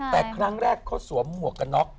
แต่ครั้งแรกเขาสวมหมวกกันน็อก